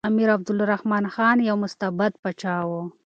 امیر عبدالرحمن خان یو مستبد پاچا و.